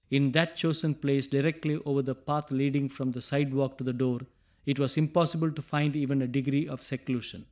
In that chosen place, directly over the path leading from the sidewalk to the door, it was impossible to find even a degree of seclusion.